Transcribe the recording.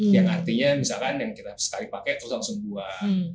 yang artinya misalkan yang kita sekali pakai terus langsung buah